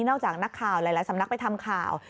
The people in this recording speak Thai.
จากนักข่าวหลายสำนักไปทำข่าว